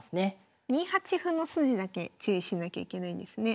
２八歩の筋だけ注意しなきゃいけないんですね。